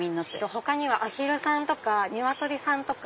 他にはアヒルさんニワトリさん。